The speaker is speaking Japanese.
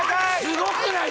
すごくない？